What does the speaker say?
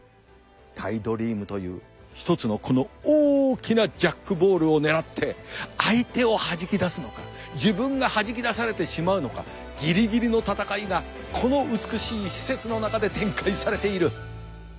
タイドリームという一つのこの大きなジャックボールを狙って相手をはじき出すのか自分がはじき出されてしまうのかギリギリの闘いがこの美しい施設の中で展開されている。